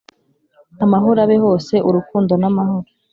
amahoro abe hose !urukundo n'amahoro